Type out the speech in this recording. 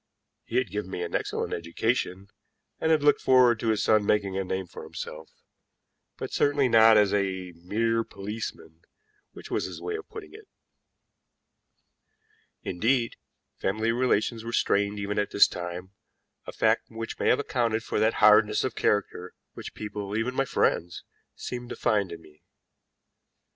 He had given me an excellent education, and had looked forward to his son making a name for himself, but certainly not as a mere policeman, which was his way of putting it. Indeed, family relations were strained even at this time, a fact which may have accounted for that hardness of character which people, even my friends, seemed to find in me.